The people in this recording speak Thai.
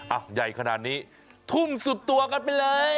ใหญ่ขนาดนี้ทุ่มสุดตัวกันไปเลย